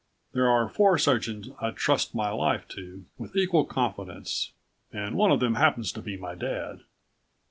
There are four surgeons I'd trust my life to with equal confidence ... and one of them happens to be my dad.